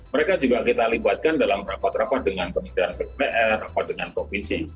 mereka juga kita libatkan dalam rapat rapat dengan kementerian pupr rapat dengan provinsi